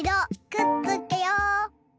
くっつけよう。